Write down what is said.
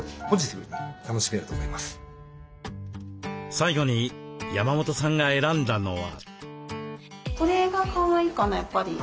最後に山本さんが選んだのは。